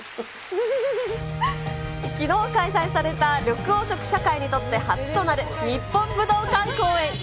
きのう開催された緑黄色社会にとって初となる日本武道館公演。